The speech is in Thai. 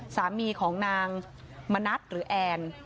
สามีของนางมณัฐหรือแอน